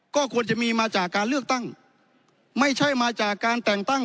ก็ควรจะมีมาจากการเลือกตั้งไม่ใช่มาจากการแต่งตั้ง